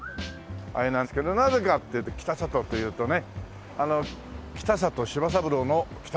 あれなんですけどなぜかっていうと北里っていうとねあの北里柴三郎の北里病院が。